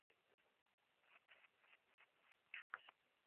iseme kwamba yeye ndie aliemuua kiongozi huyo